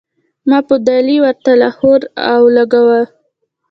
ما پۀ “دلائي” ورته لاهور او لګوو